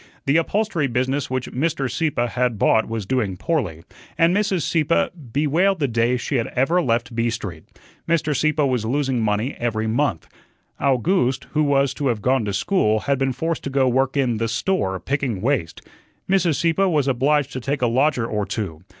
The upholstery business which Mr. Sieppe had bought was doing poorly, and Mrs. Sieppe bewailed the day she had ever left B Street. Mr. Sieppe was losing money every month. Owgooste, who was to have gone to school, had been forced to go to work in "the store," picking waste. Mrs. Sieppe was obliged to take a lodger or two.